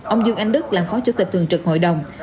ông dương anh đức làm phó chủ tịch thường trực hội đồng